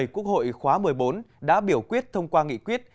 quốc hội khóa một mươi bốn đã biểu quyết thông qua nghị quyết